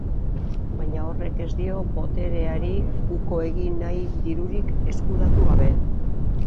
Baina horrek ez dio botereari uko egin nahi dirurik eskuratu gabe.